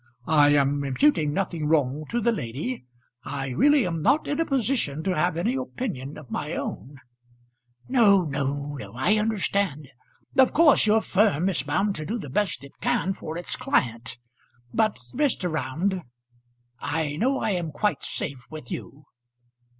I am imputing nothing wrong to the lady. I really am not in a position to have any opinion of my own " "No, no, no; I understand. Of course your firm is bound to do the best it can for its client. But, Mr. Round; I know I am quite safe with you."